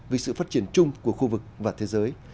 vì sự phát triển chung của khu vực và thế giới